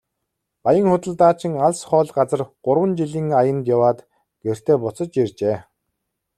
Баян худалдаачин алс хол газар гурван жилийн аянд яваад гэртээ буцаж иржээ.